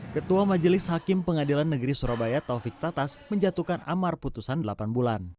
ketua majelis hakim pengadilan negeri surabaya taufik tatas menjatuhkan amar putusan delapan bulan